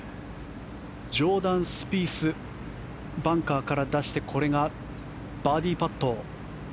ジョーダン・スピースバンカーから出してこれがバーディーパット。